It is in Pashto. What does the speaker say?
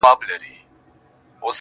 گراني انكار